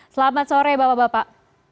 selamat sore bapak bapak